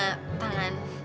bunga yang aku cinta kamu